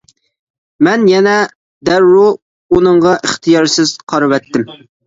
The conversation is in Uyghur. مەن يەنە دەررۇ ئۇنىڭغا ئىختىيارسىز قارىۋەتتىم.